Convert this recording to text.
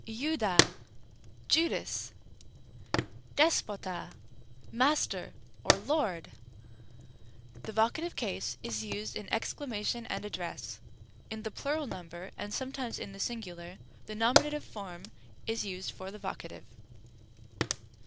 *Iovda, Judas! (Luke xxii. 48.) δέσποτα, Master! or Lord! (Luke ii. 29.) Ren. The vocative case is used in exclamation and address. In the plural number, and sometimes in the singular, the nominative form is used for the vocative.